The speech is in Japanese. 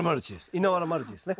稲ワラマルチですね。